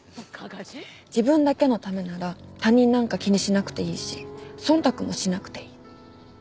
自分だけのためなら他人なんか気にしなくていいし忖度もしなくていい。